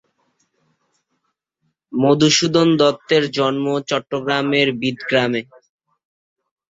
মধুসূদন দত্তের জন্ম চট্টগ্রামের বিদগ্রামে।